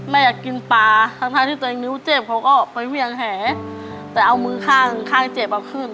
อยากกินปลาทั้งทั้งที่ตัวเองนิ้วเจ็บเขาก็ไปเวี่ยงแหแต่เอามือข้างข้างเจ็บเอาขึ้น